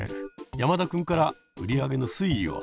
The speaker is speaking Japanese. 山田君から売り上げの推移を。